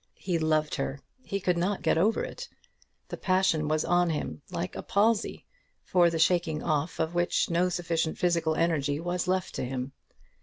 He loved her. He could not get over it. The passion was on him, like a palsy, for the shaking off of which no sufficient physical energy was left to him.